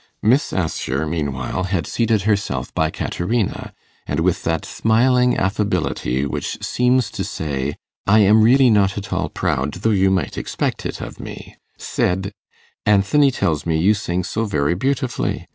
Miss Assher, meanwhile, had seated herself by Caterina, and, with that smiling affability which seems to say, 'I am really not at all proud, though you might expect it of me,' said, 'Anthony tells me you sing so very beautifully.